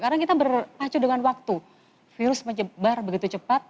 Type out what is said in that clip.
karena kita berpacu dengan waktu virus menyebar begitu cepat